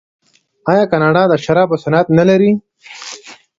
آیا کاناډا د شرابو صنعت نلري؟